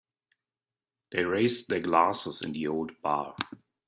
They raised their glasses in the old bar.